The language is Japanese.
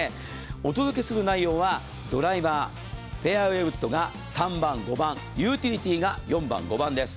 お届けする内容はドライバー、フェアウエーウッドが３番、５番、ユーティリティーが４番、５番です。